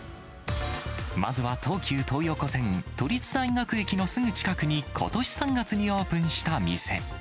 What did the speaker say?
まずは、東急東横線都立大学駅のすぐ近くに、ことし３月にオープンした店。